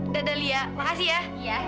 dadah lia makasih ya